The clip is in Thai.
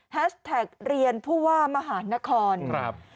แฮสแห็กเรียนเพื่อว่ามหานครเคราะคอมครับ